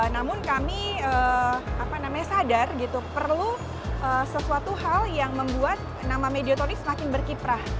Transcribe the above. namun kami sadar perlu sesuatu hal yang membuat nama mediator ini semakin berkiprah